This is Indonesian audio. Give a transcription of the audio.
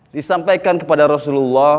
disampaikan kepada rasulullah